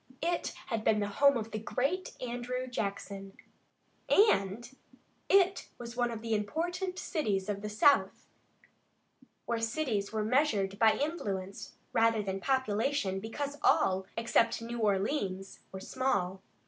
It had been the home of the great Andrew Jackson, and it was one of the important cities of the South, where cities were measured by influence rather than population, because all, except New Orleans, were small.